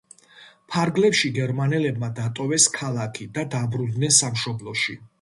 ფარგლებში გერმანელებმა დატოვეს ქალაქი და დაბრუნდნენ სამშობლოში.